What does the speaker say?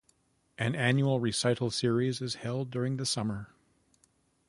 An annual recital series is held during the summer.